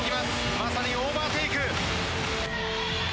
まさにオーバーテイク！